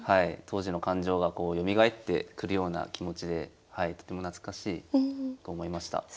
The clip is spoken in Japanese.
当時の感情がこうよみがえってくるような気持ちでとても懐かしいと思いました。